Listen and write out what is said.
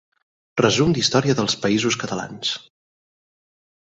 Resum d'història dels països catalans.